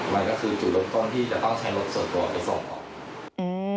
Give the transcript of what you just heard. มันก็คือจุดเริ่มต้นที่จะต้องใช้รถส่วนตัวไปส่งออกอืม